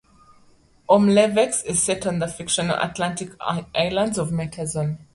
"Omlevex" is set on the fictional Atlantic islands of Metazon.